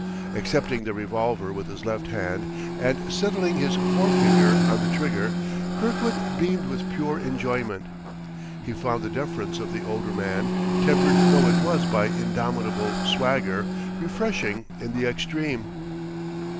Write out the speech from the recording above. Accepting the revolver with his left hand and settling his forefinger on the trigger, Kirkwood beamed with pure enjoyment. He found the deference of the older man, tempered though it was by his indomitable swagger, refreshing in the extreme.